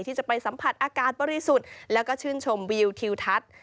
ที่จะไปสัมผัสอากาศบริสุทธิ์แล้วก็ชื่นชมวิวทิวทัศน์